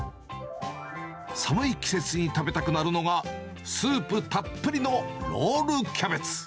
寒い季節に食べたくなるのがスープたっぷりのロールキャベツ。